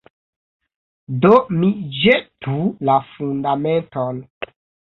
Do mi ĵetu la Fundamenton.